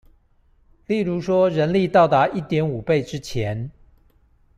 例如說人力達到一點五倍之前